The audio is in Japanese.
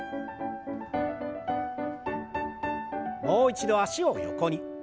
もう一度脚を横に。